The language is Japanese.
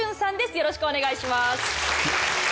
よろしくお願いします。